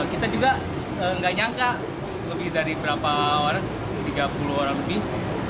kita juga nggak nyangka lebih dari berapa tiga puluh orang lebih